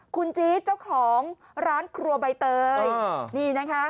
คุณจี๊ดเจ้าของร้านครัวใบเตย